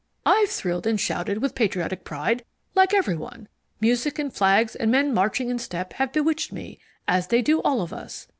I've thrilled and shouted with patriotic pride, like everyone. Music and flags and men marching in step have bewitched me, as they do all of us.